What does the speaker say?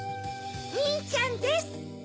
にんちゃんです。